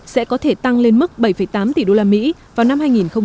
sẽ có thể tăng lên mức bảy tám tỷ usd vào năm hai nghìn hai mươi